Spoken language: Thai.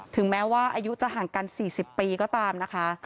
ถึงแม้ว่าอายุจะห่างกัน๔๐ปีก็ตามนะคะ